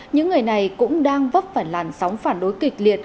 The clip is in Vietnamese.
những người này cũng đang vấp phải làn sóng phản đối kịch liệt